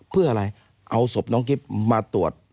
เพื่ออะไรเอาศพน้องกิ๊บมาตรวจ